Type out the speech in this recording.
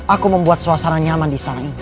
aku membuat suasana nyaman di istana itu